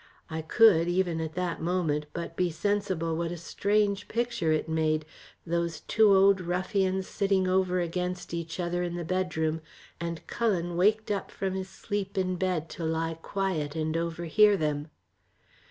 I could even at that moment, but be sensible what a strange picture it made; those two old ruffians sitting over against each other in the bedroom, and Cullen waked up from his sleep in bed to lie quiet and overhear them.